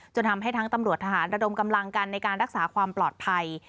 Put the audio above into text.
ทำให้ทั้งตำรวจทหารระดมกำลังกันในการรักษาความปลอดภัย